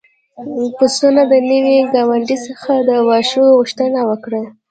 پسونو د نوي ګاونډي څخه د واښو غوښتنه وکړه.